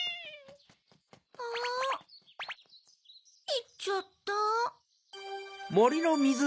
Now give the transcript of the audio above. あぁいっちゃった。